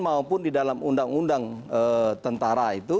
maupun di dalam undang undang tentara itu